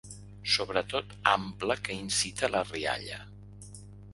Sobretot ample que incita a la rialla.